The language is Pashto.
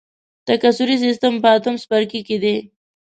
تکثري سیستم په اتم څپرکي کې دی.